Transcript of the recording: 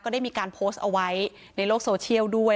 ได้มีการโพสต์เอาไว้ในโลกโซเชียลด้วย